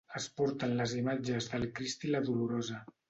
Es porten les imatges del Crist i la Dolorosa.